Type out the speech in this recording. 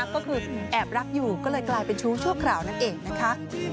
ก็คือแอบรักอยู่ก็เลยกลายเป็นชู้ชั่วคราวนั่นเองนะคะ